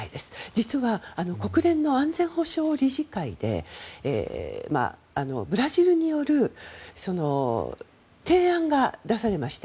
実は、国連の安全保障理事会でブラジルによる提案が出されました。